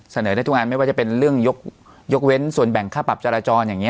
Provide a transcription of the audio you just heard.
เสนอได้ทุกงานไม่ว่าจะเป็นเรื่องยกเว้นส่วนแบ่งค่าปรับจราจรอย่างนี้